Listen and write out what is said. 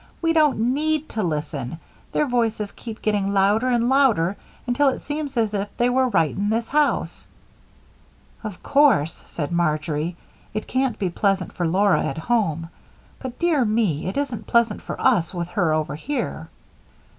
"We don't need to listen. Their voices keep getting louder and louder until it seems as if they were right in this house." "Of course," said Marjory, "it can't be pleasant for Laura at home, but, dear me, it isn't pleasant for us with her over here."